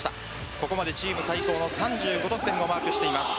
ここまでチーム最高の３５得点をマークしています。